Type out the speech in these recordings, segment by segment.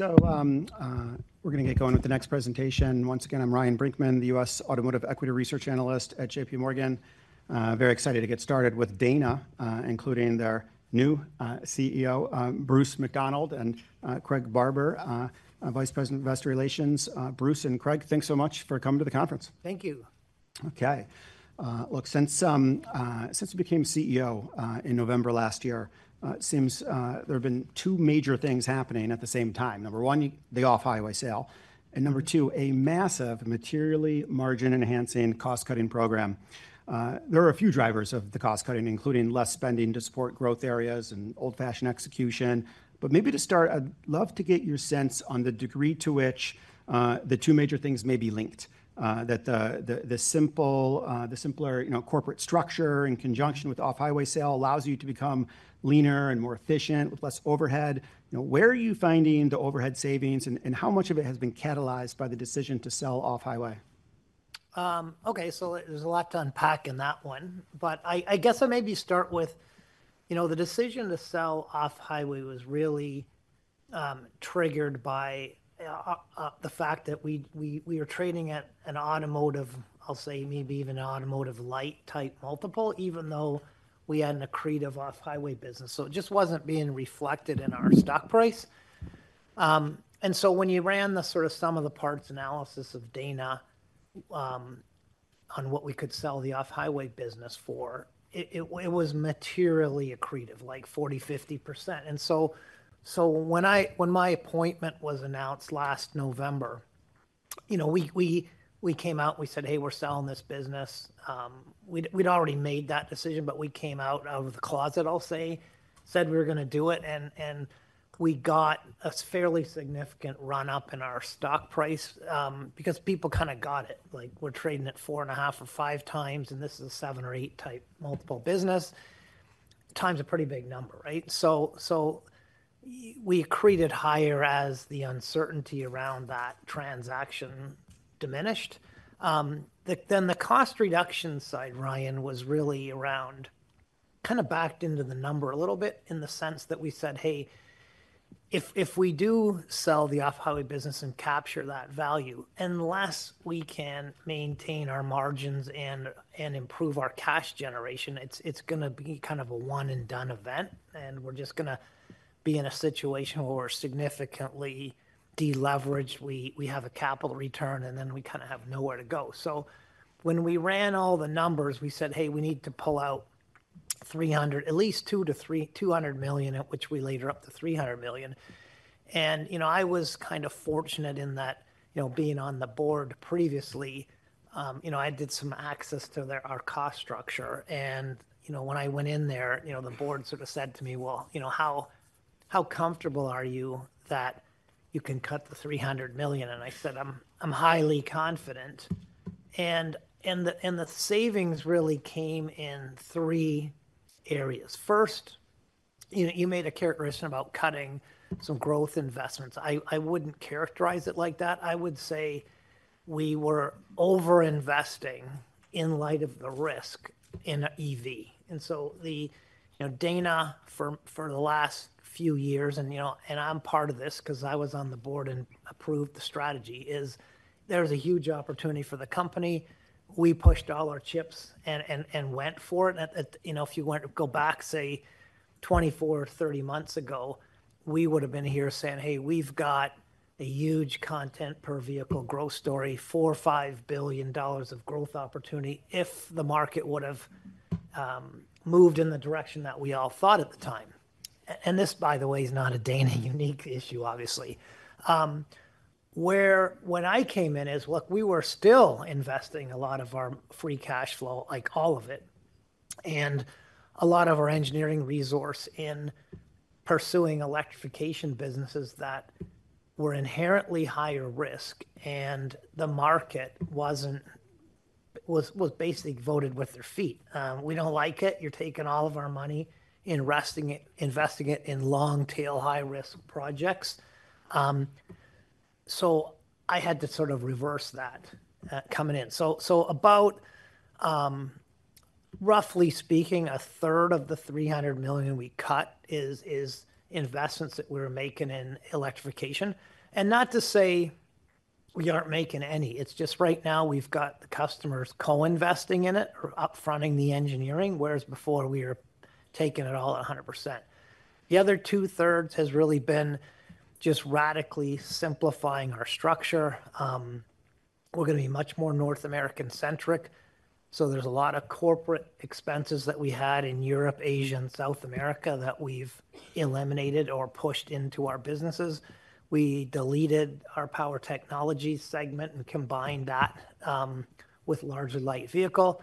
We're going to get going with the next presentation. Once again, I'm Ryan Brinkman, the U.S. Automotive Equity Research Analyst at JPMorgan Chase & Co. Very excited to get started with Dana Incorporated, including their new CEO, R. Bruce McDonald, and Craig Barber, Vice President of Investor Relations. Bruce and Craig, thanks so much for coming to the conference. Thank you. OK. Look, since he became CEO in November last year, it seems there have been two major things happening at the same time. Number one, the off-highway sale. Number two, a massive, materially margin-enhancing cost-cutting program. There are a few drivers of the cost-cutting, including less spending to support growth areas and old-fashioned execution. Maybe to start, I'd love to get your sense on the degree to which the two major things may be linked. The simpler corporate structure in conjunction with the off-highway sale allows you to become leaner and more efficient with less overhead. Where are you finding the overhead savings, and how much of it has been catalyzed by the decision to sell off-highway? OK, so there's a lot to unpack in that one. I guess I maybe start with, you know, the decision to sell off-highway was really triggered by the fact that we are trading at an automotive, I'll say, maybe even an automotive light type multiple, even though we had an accretive off-highway business. It just wasn't being reflected in our stock price. When you ran the sort of sum of the parts analysis of Dana on what we could sell the off-highway business for, it was materially accretive, like 40%, 50%. When my appointment was announced last November, you know, we came out and we said, hey, we're selling this business. We'd already made that decision, but we came out of the closet, I'll say, said we were going to do it. We got a fairly significant run-up in our stock price because people kind of got it. Like, we're trading at 4.5 or 5 times. This is a 7 or 8 type multiple business. Times a pretty big number, right? We accreted higher as the uncertainty around that transaction diminished. The cost reduction side, Ryan, was really around kind of backed into the number a little bit in the sense that we said, hey, if we do sell the off-highway business and capture that value, unless we can maintain our margins and improve our cash generation, it's going to be kind of a one-and-done event. We're just going to be in a situation where we're significantly deleveraged. We have a capital return, and then we kind of have nowhere to go. When we ran all the numbers, we said, hey, we need to pull out $300 million, at least $200 million, at which we later upped to $300 million. I was kind of fortunate in that, you know, being on the board previously, I did some access to our cost structure. When I went in there, the board sort of said to me, well, you know, how comfortable are you that you can cut the $300 million? I said, I'm highly confident. The savings really came in three areas. First, you made a characterization about cutting some growth investments. I wouldn't characterize it like that. I would say we were overinvesting in light of the risk in an EV. Dana for the last few years, and I'm part of this because I was on the board and approved the strategy, is there's a huge opportunity for the company. We pushed all our chips and went for it. If you want to go back, say, 24, 30 months ago, we would have been here saying, hey, we've got a huge content per vehicle growth story, $4 billion or $5 billion of growth opportunity if the market would have moved in the direction that we all thought at the time. This, by the way, is not a Dana unique issue, obviously. Where I came in is, look, we were still investing a lot of our free cash flow, like all of it, and a lot of our engineering resource in pursuing electrification businesses that were inherently higher risk. The market basically voted with their feet. We don't like it. You're taking all of our money, investing it in long-tail high-risk projects. I had to sort of reverse that coming in. Roughly speaking, a third of the $300 million we cut is investments that we were making in electrification. Not to say we aren't making any. It's just right now we've got the customers co-investing in it or upfronting the engineering, whereas before we were taking it all at 100%. The other two-thirds has really been just radically simplifying our structure. We're going to be much more North American-centric. There are a lot of corporate expenses that we had in Europe, Asia, and South America that we've eliminated or pushed into our businesses. We deleted our power technology segment and combined that with larger light vehicle.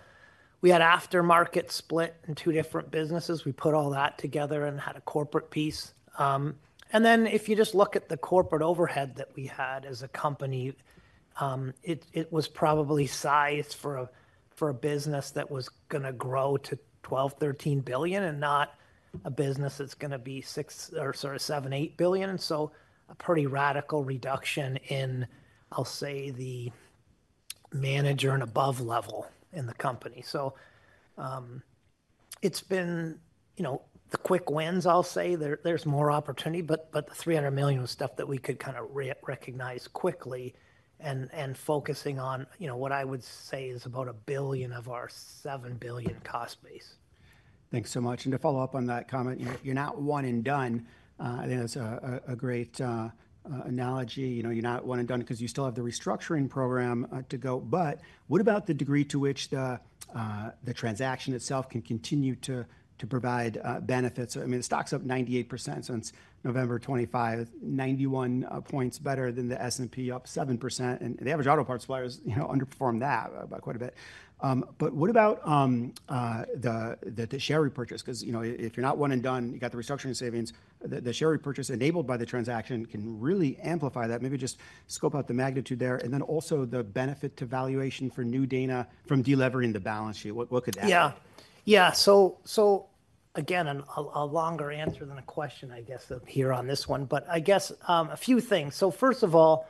We had aftermarket split in two different businesses. We put all that together and had a corporate piece. If you just look at the corporate overhead that we had as a company, it was probably sized for a business that was going to grow to $12 billion or $13 billion and not a business that's going to be $6 billion or $7 billion, $8 billion. A pretty radical reduction in, I'll say, the manager and above level in the company. It's been the quick wins, I'll say. There's more opportunity. The $300 million was stuff that we could kind of recognize quickly and focusing on what I would say is about a billion of our $7 billion cost base. Thanks so much. To follow up on that comment, you're not one-and-done. I think that's a great analogy. You're not one-and-done because you still have the restructuring program to go. What about the degree to which the transaction itself can continue to provide benefits? The stock's up 98% since November 2025, 91 points better than the S&P, up 7%. The average auto parts flyer underperformed that by quite a bit. What about the share repurchase? If you're not one-and-done, you've got the restructuring savings. The share repurchase enabled by the transaction can really amplify that. Maybe just scope out the magnitude there, and also the benefit to valuation for new Dana from deleveraging the balance sheet. What could happen? Yeah, yeah. Again, a longer answer than a question, I guess, up here on this one. I guess a few things. First of all,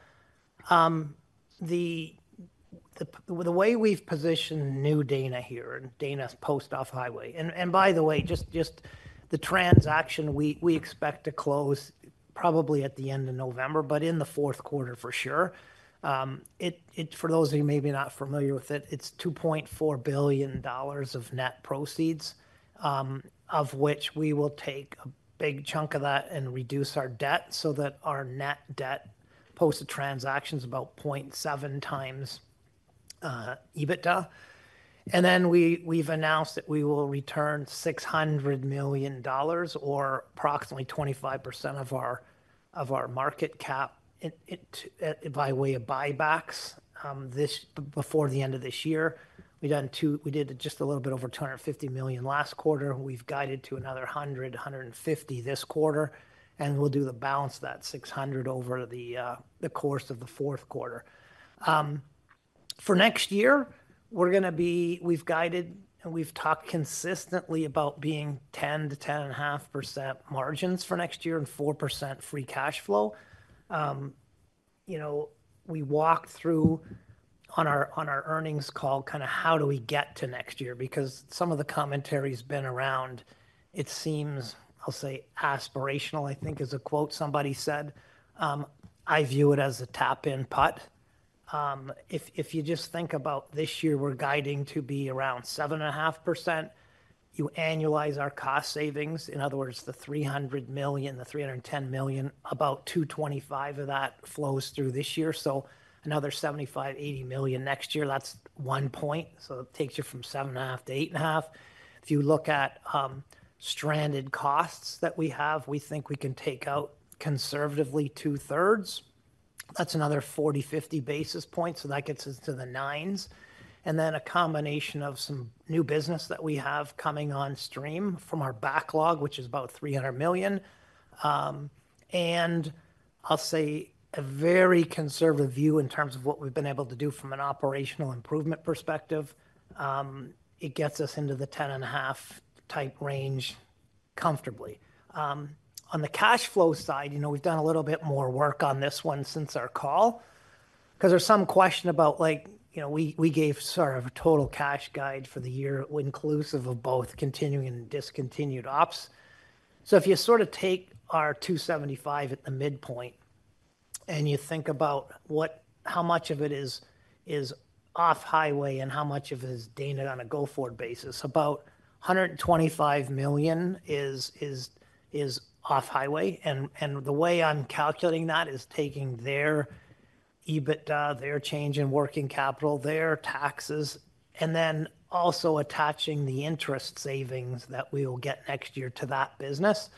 the way we've positioned new Dana here and Dana's post-off-highway. By the way, the transaction we expect to close probably at the end of November, but in the fourth quarter for sure. For those of you maybe not familiar with it, it's $2.4 billion of net proceeds, of which we will take a big chunk of that and reduce our debt so that our net debt post-transaction is about 0.7 times EBITDA. We've announced that we will return $600 million or approximately 25% of our market cap by way of buybacks before the end of this year. We did just a little bit over $250 million last quarter. We've guided to another $100 million, $150 million this quarter. We'll do the balance of that $600 million over the course of the fourth quarter. For next year, we've guided, and we've talked consistently about being 10%-10.5% margins for next year and 4% free cash flow. We walked through on our earnings call kind of how do we get to next year because some of the commentary has been around, it seems, I'll say, aspirational, I think, is a quote somebody said. I view it as a tap-in put. If you just think about this year, we're guiding to be around 7.5%. You annualize our cost savings. In other words, the $300 million, the $310 million, about $225 million of that flows through this year. Another $75 million, $80 million next year, that's one point. It takes you from 7.5% to 8.5%. If you look at stranded costs that we have, we think we can take out conservatively two-thirds. That's another 40 basis points, 50 basis points. That gets us to the 9s. Then a combination of some new business that we have coming on stream from our backlog, which is about $300 million, and I'll say a very conservative view in terms of what we've been able to do from an operational improvement perspective, gets us into the 10.5% type range comfortably. On the cash flow side, we've done a little bit more work on this one since our call because there's some question about, like, we gave sort of a total cash guide for the year inclusive of both continuing and discontinued ops. If you sort of take our $275 million at the midpoint and you think about how much of it is off-highway and how much of it is Dana on a go-forward basis, about $125 million is off-highway. The way I'm calculating that is taking their EBITDA, their change in working capital, their taxes, and then also attaching the interest savings that we will get next year to that business.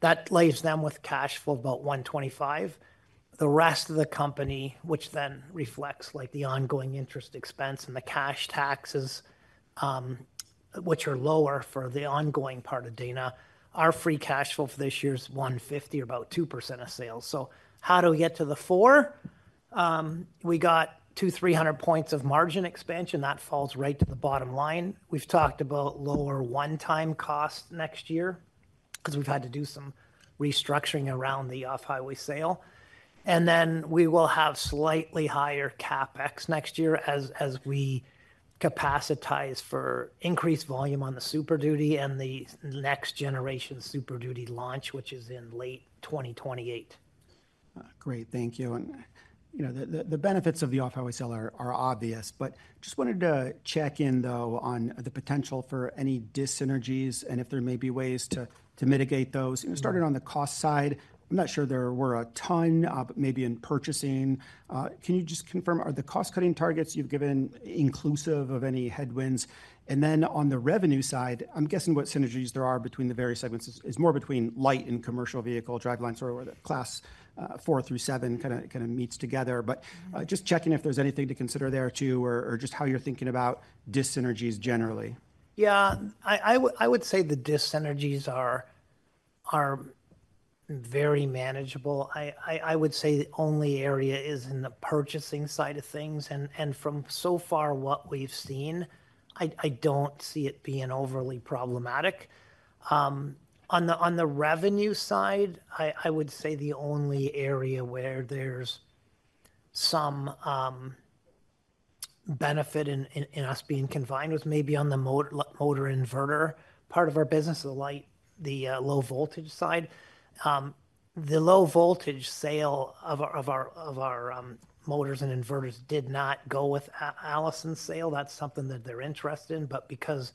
That lays them with a cash flow of about $125 million. The rest of the company, which then reflects the ongoing interest expense and the cash taxes, which are lower for the ongoing part of Dana, our free cash flow for this year is $150 million, about 2% of sales. How do we get to the 4? We got 200, 300 points of margin expansion. That falls right to the bottom line. We've talked about lower one-time costs next year because we've had to do some restructuring around the off-highway sale. We will have slightly higher CapEx next year as we capacitize for increased volume on the Super Duty and the next generation Super Duty launch, which is in late 2028. Great, thank you. The benefits of the off-highway sale are obvious. I just wanted to check in, though, on the potential for any dissynergies and if there may be ways to mitigate those. Starting on the cost side, I'm not sure there were a ton, maybe in purchasing. Can you just confirm, are the cost-cutting targets you've given inclusive of any headwinds? On the revenue side, I'm guessing what synergies there are between the various segments is more between light and commercial vehicle drivelines or the class 4 through 7 kind of meets together. Just checking if there's anything to consider there, too, or just how you're thinking about dissynergies generally. Yeah, I would say the dissynergies are very manageable. I would say the only area is in the purchasing side of things. From what we've seen so far, I don't see it being overly problematic. On the revenue side, I would say the only area where there's some benefit in us being combined was maybe on the motor-inverter part of our business, the low voltage side. The low voltage sale of our motors and inverters did not go with Allison's sale. That's something that they're interested in. Because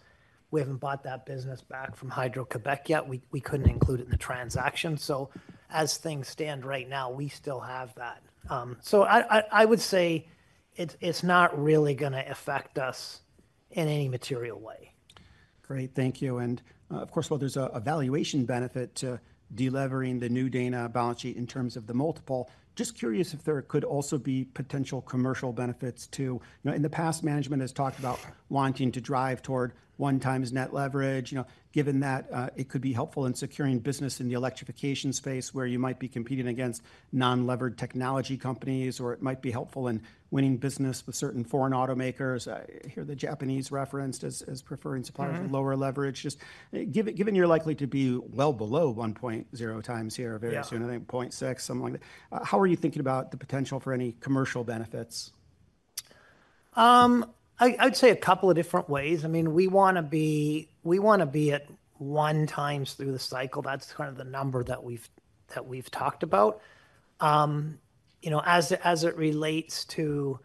we haven't bought that business back from Hydro-Quebec yet, we couldn't include it in the transaction. As things stand right now, we still have that. I would say it's not really going to affect us in any material way. Great, thank you. Of course, while there's a valuation benefit to delivering the new Dana balance sheet in terms of the multiple, just curious if there could also be potential commercial benefits, too. In the past, management has talked about wanting to drive toward one-time net leverage, given that it could be helpful in securing business in the electrification space where you might be competing against non-leveraged technology companies. It might be helpful in winning business with certain foreign automakers. Here, the Japanese referenced as preferring suppliers with lower leverage. Just given you're likely to be well below 1.0 times here very soon, I think 0.6, something like that. How are you thinking about the potential for any commercial benefits? I'd say a couple of different ways. I mean, we want to be at one times through the cycle. That's kind of the number that we've talked about. You know, as it relates to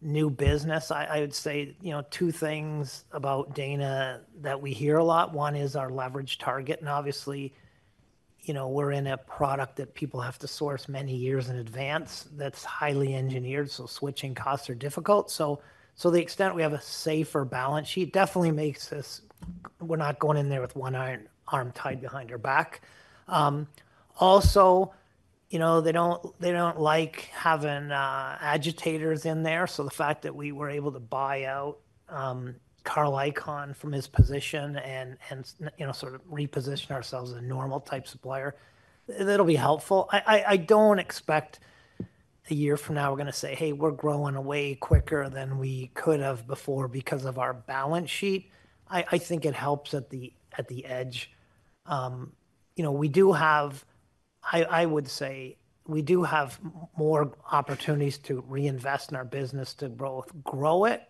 new business, I would say two things about Dana that we hear a lot. One is our leverage target. Obviously, we're in a product that people have to source many years in advance that's highly engineered. Switching costs are difficult. To the extent we have a safer balance sheet definitely makes us, we're not going in there with one arm tied behind your back. Also, they don't like having agitators in there. The fact that we were able to buy out Carl Icahn from his position and sort of reposition ourselves as a normal type supplier, that'll be helpful. I don't expect a year from now we're going to say, hey, we're growing way quicker than we could have before because of our balance sheet. I think it helps at the edge. We do have, I would say, we do have more opportunities to reinvest in our business to both grow it,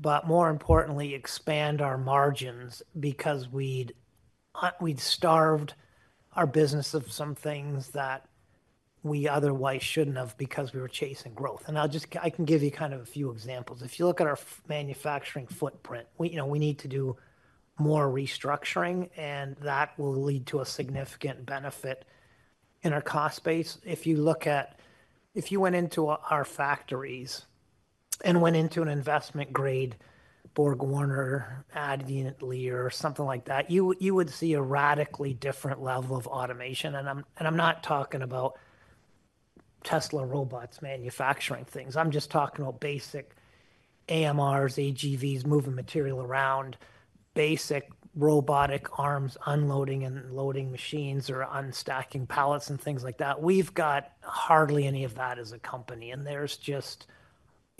but more importantly, expand our margins because we'd starved our business of some things that we otherwise shouldn't have because we were chasing growth. I'll just, I can give you kind of a few examples. If you look at our manufacturing footprint, we need to do more restructuring. That will lead to a significant benefit in our cost base. If you went into our factories and went into an investment-grade BorgWarner ad unit leader or something like that, you would see a radically different level of automation. I'm not talking about Tesla robots manufacturing things. I'm just talking about basic AMRs, AGVs, moving material around, basic robotic arms unloading and loading machines or unstacking pallets and things like that. We've got hardly any of that as a company. There's just,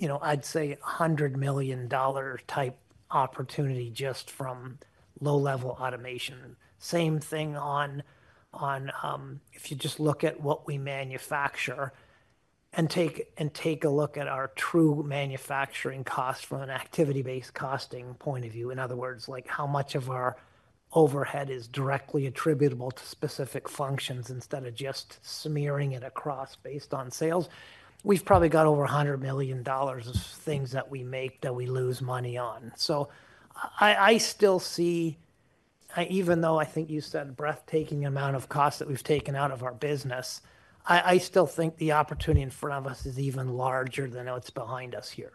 I'd say, a $100 million type opportunity just from low-level automation. Same thing on, if you just look at what we manufacture and take a look at our true manufacturing cost from an activity-based costing point of view. In other words, how much of our overhead is directly attributable to specific functions instead of just smearing it across based on sales. We've probably got over $100 million of things that we make that we lose money on. I still see, even though I think you said a breathtaking amount of costs that we've taken out of our business, I still think the opportunity in front of us is even larger than what's behind us here.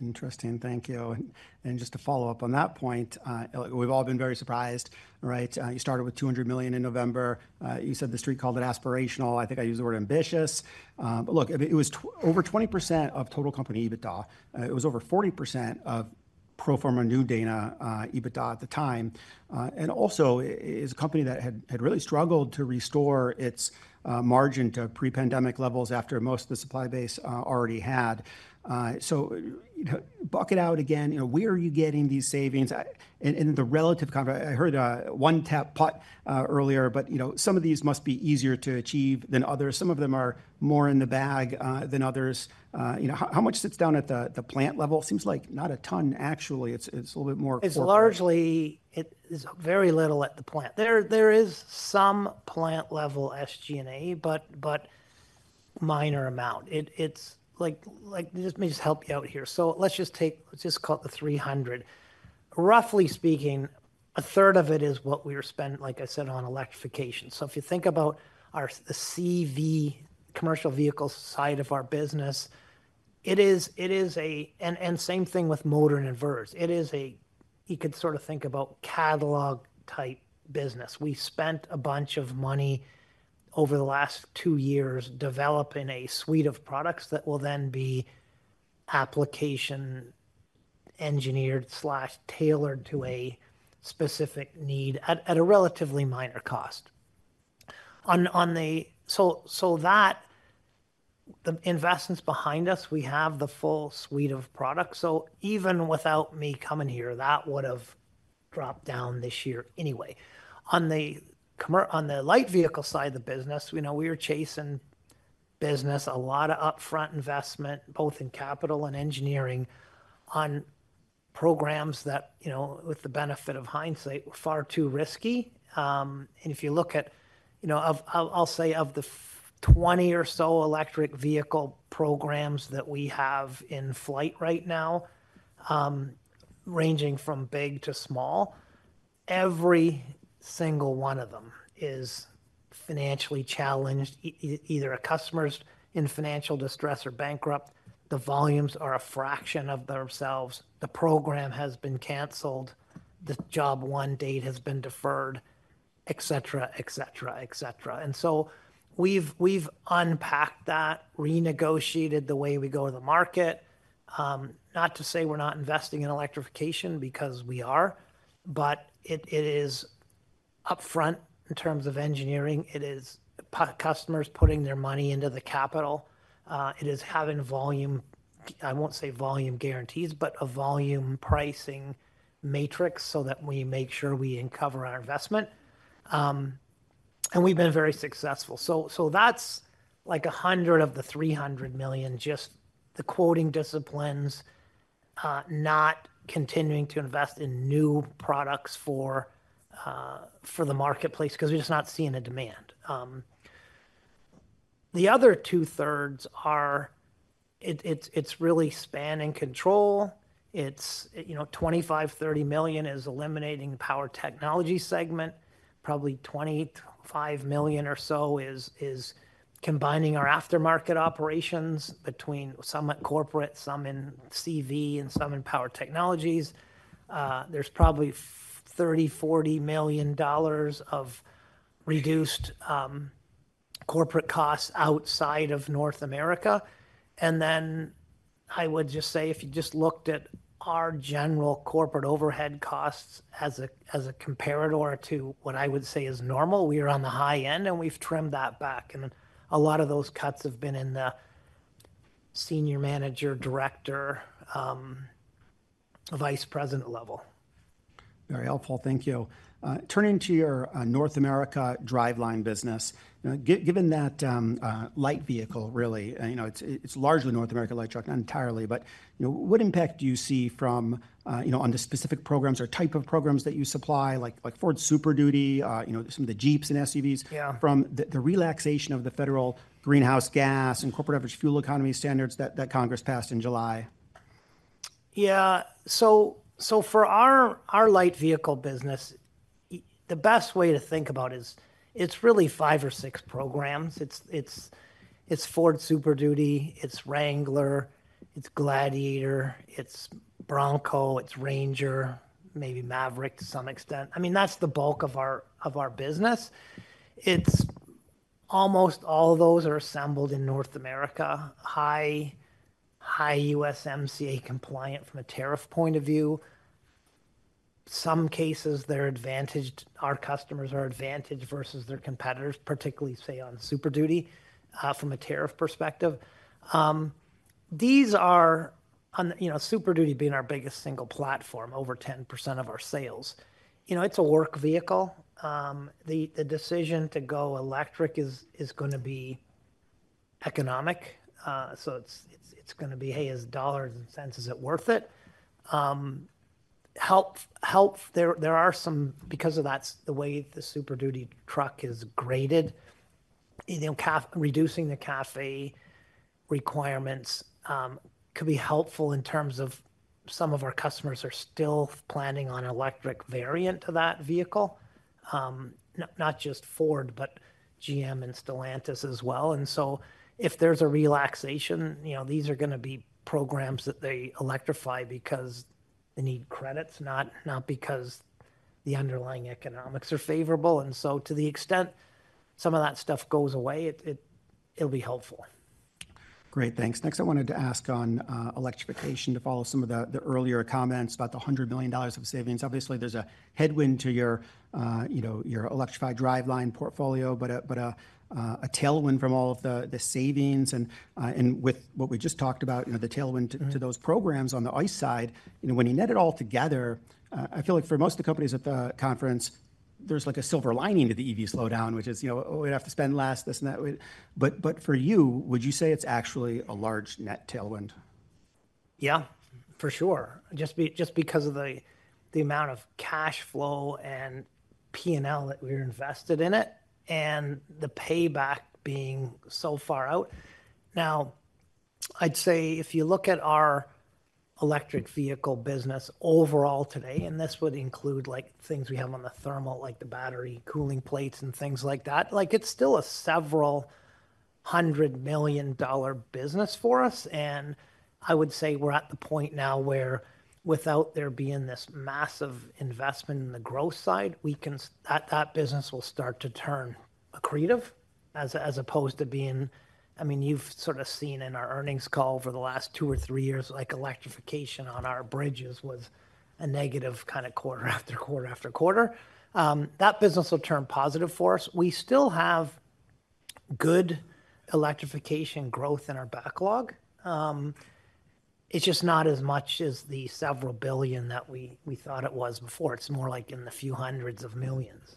Interesting, thank you. Just to follow up on that point, we've all been very surprised, right? You started with $200 million in November. You said the street called it aspirational. I think I used the word ambitious. Look, it was over 20% of total company EBITDA. It was over 40% of pro forma new Dana EBITDA at the time. Also, it was a company that had really struggled to restore its margin to pre-pandemic levels after most of the supply base already had. Buck it out again. Where are you getting these savings? The relative comp, I heard one tap put earlier. Some of these must be easier to achieve than others. Some of them are more in the bag than others. How much sits down at the plant level? Seems like not a ton, actually. It's a little bit more. It's largely, it's very little at the plant. There is some plant-level SG&A, but a minor amount. This may just help you out here. Let's just take, let's just call it the $300 million. Roughly speaking, a third of it is what we were spending, like I said, on electrification. If you think about our CV, commercial vehicle side of our business, it is a, and same thing with motor and inverters, it is a, you could sort of think about catalog-type business. We spent a bunch of money over the last two years developing a suite of products that will then be application engineered or tailored to a specific need at a relatively minor cost. The investments are behind us, we have the full suite of products. Even without me coming here, that would have dropped down this year anyway. On the light vehicle side of the business, we were chasing business, a lot of upfront investment, both in capital and engineering, on programs that, with the benefit of hindsight, were far too risky. If you look at, I'll say of the 20 or so electric vehicle programs that we have in flight right now, ranging from big to small, every single one of them is financially challenged. Either a customer's in financial distress or bankrupt. The volumes are a fraction of themselves. The program has been canceled. The job one date has been deferred, etc., etc., etc. We've unpacked that, renegotiated the way we go to the market. Not to say we're not investing in electrification because we are. It is upfront in terms of engineering. It is customers putting their money into the capital. It is having volume, I won't say volume guarantees, but a volume pricing matrix so that we make sure we cover our investment. We've been very successful. That's like $100 million of the $300 million, just the quoting disciplines, not continuing to invest in new products for the marketplace because we're just not seeing the demand. The other two-thirds are, it's really span and control. It's $25 million, $30 million is eliminating the power technology segment. Probably $25 million or so is combining our aftermarket operations between some at corporate, some in CV, and some in power technologies. There's probably $30 million, $40 million of reduced corporate costs outside of North America. If you just looked at our general corporate overhead costs as a comparator to what I would say is normal, we are on the high end. We've trimmed that back. A lot of those cuts have been in the Senior Manager, Director, the Vice President level. Very helpful, thank you. Turning to your North America driveline business, given that light vehicle really, you know, it's largely North American electric entirely. What impact do you see from, you know, on the specific programs or type of programs that you supply, like Ford Super Duty, some of the Jeeps and SUVs, from the relaxation of the federal greenhouse gas and corporate average fuel economy standards that Congress passed in July? Yeah, so for our light vehicle business, the best way to think about it is it's really five or six programs. It's Ford Super Duty, it's Wrangler, it's Gladiator, it's Bronco, it's Ranger, maybe Maverick to some extent. I mean, that's the bulk of our business. It's almost all of those are assembled in North America, high USMCA compliant from a tariff point of view. In some cases, they're advantaged. Our customers are advantaged versus their competitors, particularly, say, on Super Duty from a tariff perspective. These are, you know, Super Duty being our biggest single platform, over 10% of our sales. You know, it's a work vehicle. The decision to go electric is going to be economic. It's going to be, hey, is dollars and cents, is it worth it? There are some, because of that, the way the Super Duty truck is graded, reducing the CAFE requirements could be helpful in terms of some of our customers are still planning on an electric variant to that vehicle, not just Ford, but GM and Stellantis as well. If there's a relaxation, these are going to be programs that they electrify because they need credits, not because the underlying economics are favorable. To the extent some of that stuff goes away, it'll be helpful. Great, thanks. Next, I wanted to ask on electrification to follow some of the earlier comments about the $100 million of savings. Obviously, there's a headwind to your electrified driveline portfolio, but a tailwind from all of the savings. With what we just talked about, the tailwind to those programs on the ICE side, when you net it all together, I feel like for most of the companies at the conference, there's like a silver lining to the EV slowdown, which is, you know, we have to spend less, this and that. For you, would you say it's actually a large net tailwind? Yeah, for sure. Just because of the amount of cash flow and P&L that we're invested in it and the payback being so far out. Now, I'd say if you look at our electric vehicle business overall today, and this would include things we have on the thermal, like the battery cooling plates and things like that, it's still a several hundred million dollar business for us. I'd say we're at the point now where, without there being this massive investment in the growth side, that business will start to turn accretive as opposed to being, I mean, you've sort of seen in our earnings call over the last two or three years, like electrification on our bridges was a negative kind of quarter after quarter after quarter. That business will turn positive for us. We still have good electrification growth in our backlog. It's just not as much as the several billion that we thought it was before. It's more like in the few hundreds of millions.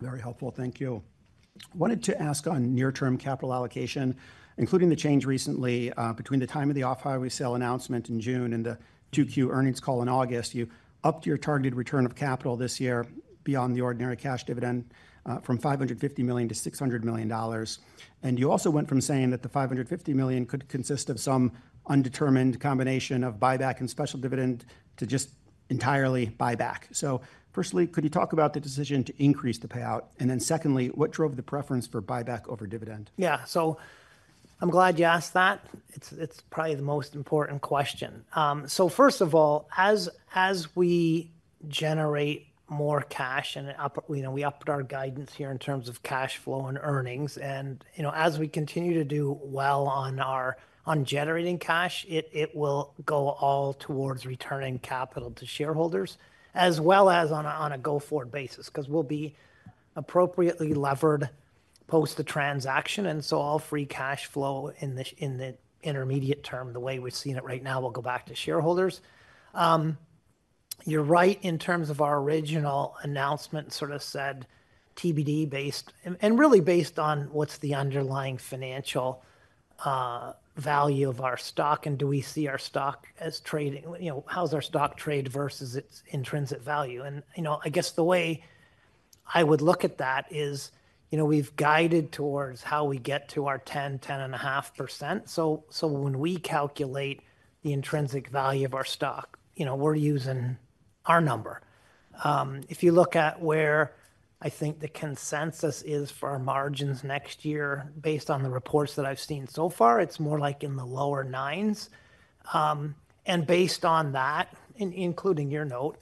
Very helpful, thank you. I wanted to ask on near-term capital allocation, including the change recently between the time of the off-highway sale announcement in June and the Q2 earnings call in August. You upped your targeted return of capital this year beyond the ordinary cash dividend from $550 million to $600 million. You also went from saying that the $550 million could consist of some undetermined combination of buyback and special dividend to just entirely buyback. Firstly, could you talk about the decision to increase the payout? Secondly, what drove the preference for buyback over dividend? Yeah, I'm glad you asked that. It's probably the most important question. First of all, as we generate more cash, and we upped our guidance here in terms of cash flow and earnings, as we continue to do well on generating cash, it will go all towards returning capital to shareholders as well as on a go-forward basis because we'll be appropriately levered post-transaction. All free cash flow in the intermediate term, the way we're seeing it right now, will go back to shareholders. You're right in terms of our original announcement and sort of said TBD-based and really based on what's the underlying financial value of our stock. Do we see our stock as trading, you know, how's our stock trade versus its intrinsic value? I guess the way I would look at that is, we've guided towards how we get to our 10%, 10.5%. When we calculate the intrinsic value of our stock, we're using our number. If you look at where I think the consensus is for our margins next year, based on the reports that I've seen so far, it's more like in the lower 9s. Based on that, including your note,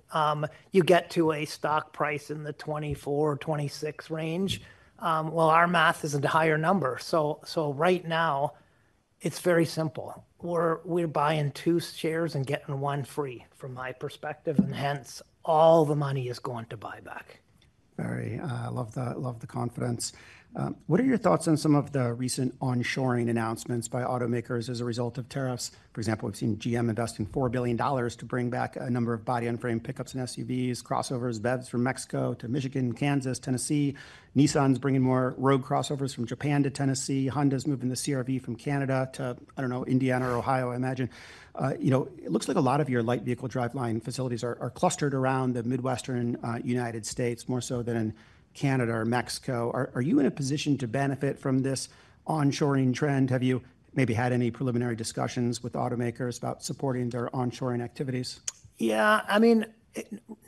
you get to a stock price in the $24-$26 range. Our math is a higher number. Right now, it's very simple. We're buying two shares and getting one free from my perspective. Hence, all the money is going to buyback. Very love the confidence. What are your thoughts on some of the recent onshoring announcements by automakers as a result of tariffs? For example, we've seen GM investing $4 billion to bring back a number of body and frame pickups and SUVs, crossovers, BEVs from Mexico to Michigan, Kansas, Tennessee. Nissan's bringing more Rogue crossovers from Japan to Tennessee. Honda's moving the CR-V from Canada to, I don't know, Indiana or Ohio, I imagine. It looks like a lot of your light vehicle driveline facilities are clustered around the Midwestern United States, more so than in Canada or Mexico. Are you in a position to benefit from this onshoring trend? Have you maybe had any preliminary discussions with automakers about supporting their onshoring activities? Yeah, I mean,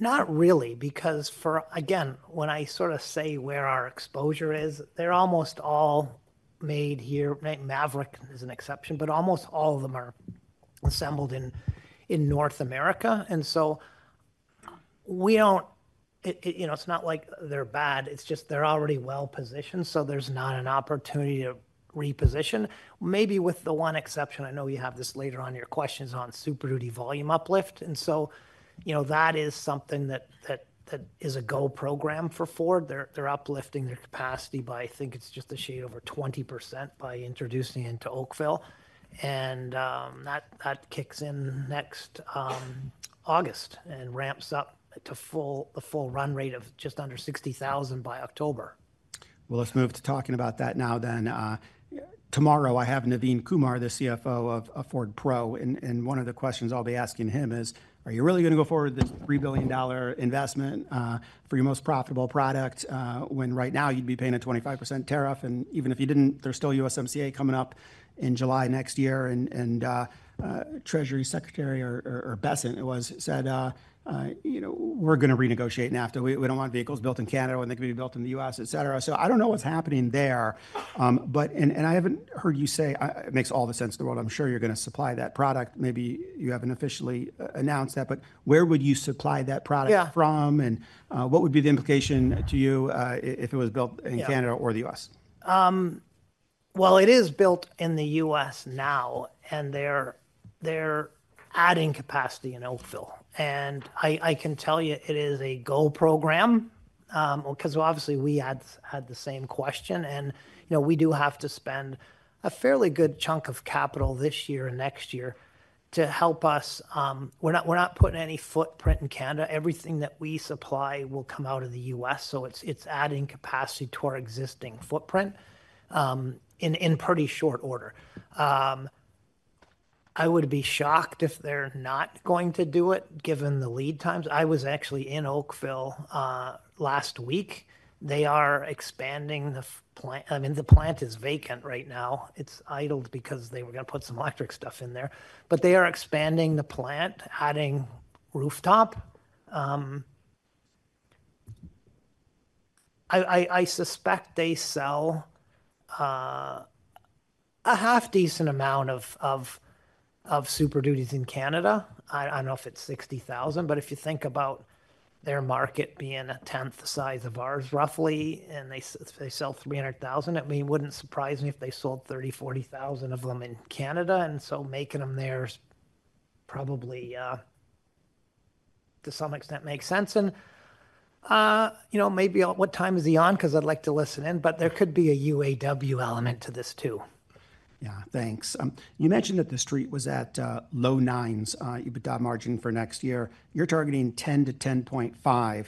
not really, because for, again, when I sort of say where our exposure is, they're almost all made here. Maverick is an exception, but almost all of them are assembled in North America. We don't, you know, it's not like they're bad. It's just they're already well positioned, so there's not an opportunity to reposition. Maybe with the one exception, I know you have this later on your questions on Super Duty volume uplift. That is something that is a go program for Ford. They're uplifting their capacity by, I think it's just a shade over 20% by introducing it into Oakville. That kicks in next August and ramps up to the full run rate of just under 60,000 by October. Let's move to talking about that now. Tomorrow, I have Naveen Kumar, the CFO of Ford Pro. One of the questions I'll be asking him is, are you really going to go forward with this $3 billion investment for your most profitable product when right now you'd be paying a 25% tariff? Even if you didn't, there's still USMCA coming up in July next year. Treasury Secretary or Bessant, it was, said, you know, we're going to renegotiate NAFTA. We don't want vehicles built in Canada when they can be built in the U.S., et cetera. I don't know what's happening there. I haven't heard you say, it makes all the sense in the world. I'm sure you're going to supply that product. Maybe you haven't officially announced that. Where would you supply that product from? What would be the implication to you if it was built in Canada or the U.S.? It is built in the U.S. now, and they're adding capacity in Oakville. I can tell you it is a goal program because obviously we had the same question. You know, we do have to spend a fairly good chunk of capital this year and next year to help us. We're not putting any footprint in Canada. Everything that we supply will come out of the U.S. It's adding capacity to our existing footprint in pretty short order. I would be shocked if they're not going to do it given the lead times. I was actually in Oakville last week. They are expanding the plant. The plant is vacant right now. It's idled because they were going to put some electric stuff in there. They are expanding the plant, adding rooftop. I suspect they sell a half decent amount of Super Duty in Canada. I don't know if it's 60,000, but if you think about their market being a tenth the size of ours roughly, and they sell 300,000, it wouldn't surprise me if they sold 30,000 or 40,000 of them in Canada. Making them there probably, to some extent, makes sense. Maybe what time is he on? I'd like to listen in. There could be a UAW element to this, too. Yeah, thanks. You mentioned that the street was at low 9% EBITDA margin for next year. You're targeting 10%-10.5%.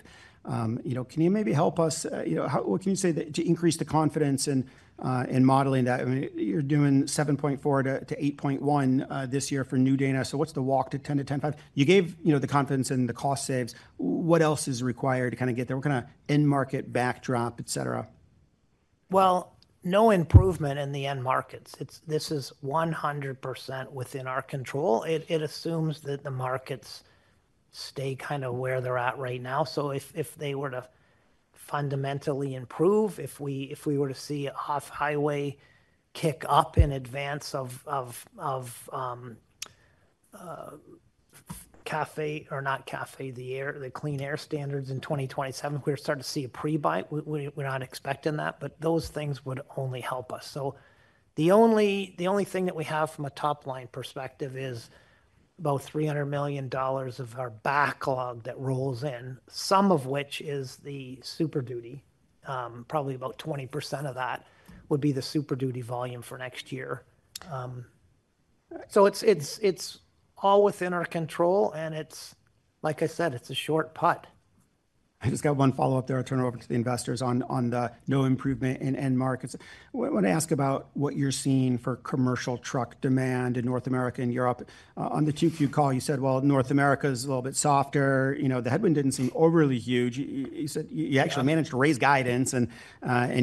Can you maybe help us, what can you say to increase the confidence in modeling that? I mean, you're doing 7.4%-8.1% this year for new Dana. What's the walk to 10%-10.5%? You gave the confidence in the cost saves. What else is required to kind of get there? What kind of end market backdrop, et cetera? is no improvement in the end markets. This is 100% within our control. It assumes that the markets stay kind of where they're at right now. If they were to fundamentally improve, if we were to see off-highway kick up in advance of CAFE or not CAFE, the clean air standards in 2027, we're starting to see a pre-buy. We're not expecting that. Those things would only help us. The only thing that we have from a top-line perspective is about $300 million of our backlog that rolls in, some of which is the Super Duty. Probably about 20% of that would be the Super Duty volume for next year. It is all within our control. Like I said, it's a short put. I just got one follow-up there. I'll turn it over to the investors on the no improvement in end markets. I want to ask about what you're seeing for commercial truck demand in North America and Europe. On the Q2 call, you said North America is a little bit softer. The headwind didn't seem overly huge. You said you actually managed to raise guidance, and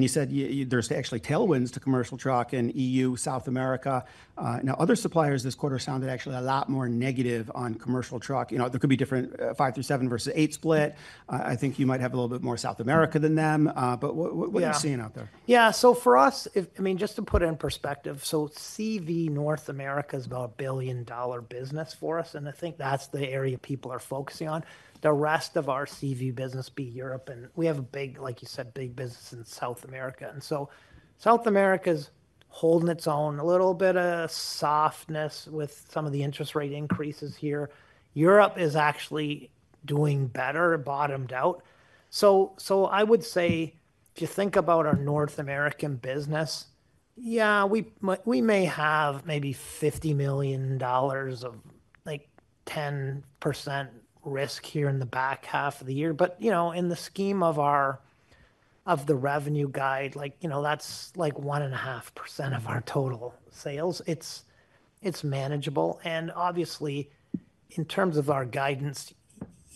you said there's actually tailwinds to commercial truck in EU, South America. Now, other suppliers this quarter sounded actually a lot more negative on commercial truck. There could be different 5 through 7 versus 8 split. I think you might have a little bit more South America than them. What are you seeing out there? Yeah, for us, just to put it in perspective, CV North America is about a $1 billion business for us. I think that's the area people are focusing on. The rest of our CV business would be Europe. We have a big, like you said, big business in South America. South America is holding its own, a little bit of softness with some of the interest rate increases here. Europe is actually doing better, bottomed out. If you think about our North American business, we may have maybe $50 million of like 10% risk here in the back half of the year. In the scheme of the revenue guide, that's like 1.5% of our total sales. It's manageable. Obviously, in terms of our guidance,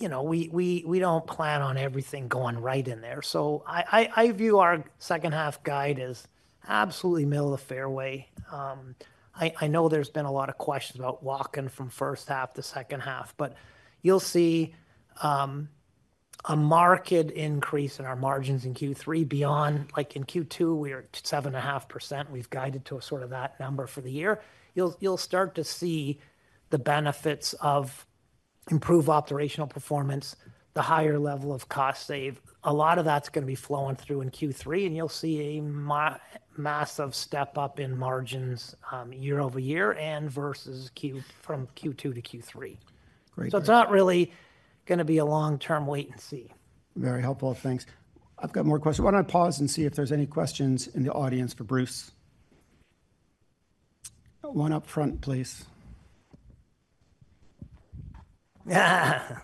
we don't plan on everything going right in there. I view our second half guide as absolutely middle of the fairway. I know there's been a lot of questions about walking from first half to second half. You'll see a marked increase in our margins in Q3 and beyond. In Q2, we are at 7.5%. We've guided to sort of that number for the year. You'll start to see the benefits of improved operational performance, the higher level of cost save. A lot of that's going to be flowing through in Q3. You'll see a massive step up in margins year-over-year and versus from Q2 to Q3. Great. It is not really going to be a long-term wait and see. Very helpful, thanks. I've got more questions. Why don't I pause and see if there's any questions in the audience for Bruce? One up front, please. A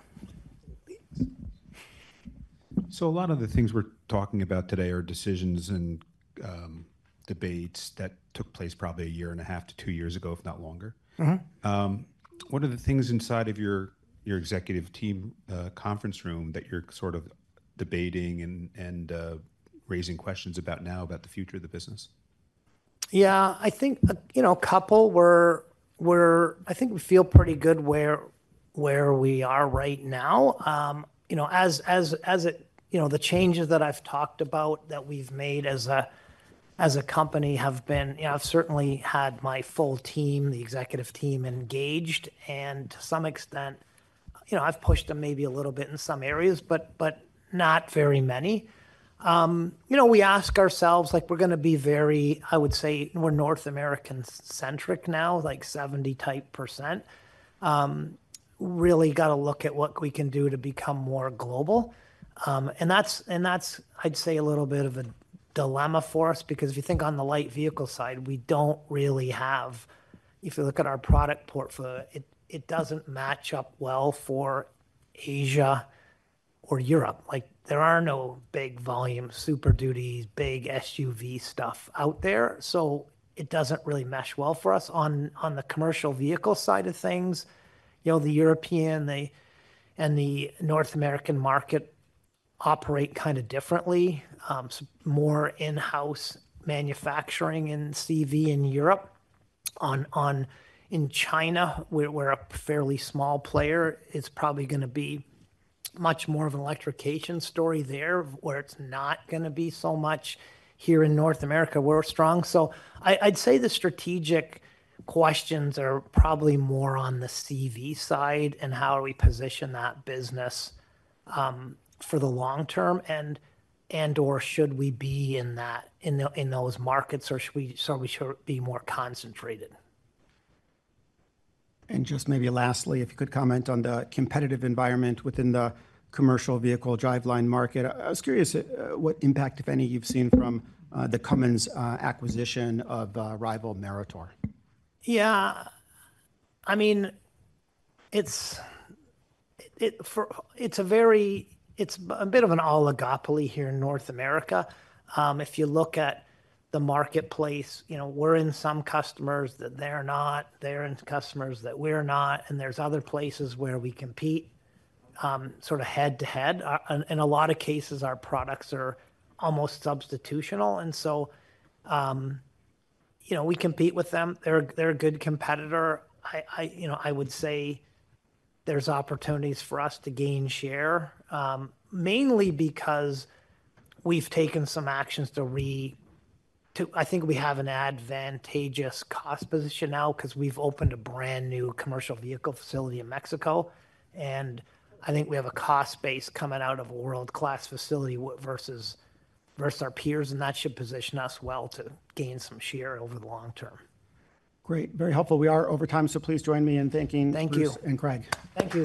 lot of the things we're talking about today are decisions and debates that took place probably a year and a half to two years ago, if not longer. What are the things inside of your executive team conference room that you're sort of debating and raising questions about now about the future of the business? Yeah, I think a couple where I think we feel pretty good where we are right now. As the changes that I've talked about that we've made as a company have been, I've certainly had my full team, the Executive Team, engaged. To some extent, I've pushed them maybe a little bit in some areas, but not very many. We ask ourselves, like, we're going to be very, I would say, we're North American-centric now, like 70%. Really got to look at what we can do to become more global. That's, I'd say, a little bit of a dilemma for us because if you think on the light vehicle side, we don't really have, if you look at our product portfolio, it doesn't match up well for Asia or Europe. There are no big volume Ford Super Dutys, big SUV stuff out there. It doesn't really mesh well for us on the commercial vehicle side of things. The European and the North American market operate kind of differently. It's more in-house manufacturing in commercial vehicles in Europe. In China, we're a fairly small player. It's probably going to be much more of an electrification story there where it's not going to be so much. Here in North America, we're strong. I'd say the strategic questions are probably more on the commercial vehicle side and how we position that business for the long term and/or should we be in those markets or should we be more concentrated? Lastly, if you could comment on the competitive environment within the commercial vehicle driveline market. I was curious what impact, if any, you've seen from the Cummins acquisition of rival Meritor. Yeah, I mean, it's a very, it's a bit of an oligopoly here in North America. If you look at the marketplace, you know, we're in some customers that they're not. They're in customers that we're not. There are other places where we compete sort of head to head. In a lot of cases, our products are almost substitutional, so we compete with them. They're a good competitor. I would say there's opportunities for us to gain share, mainly because we've taken some actions to re, I think we have an advantageous cost position now because we've opened a brand new commercial vehicle facility in Mexico. I think we have a cost base coming out of a world-class facility versus our peers, and that should position us well to gain some share over the long term. Great, very helpful. We are over time. Please join me in thanking Bruce and Craig. Thank you.